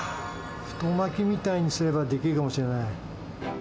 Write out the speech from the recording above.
太巻きみたいにすればできるのかもしれない。